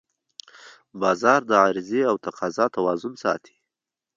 بازار د عرضې او تقاضا توازن ساتي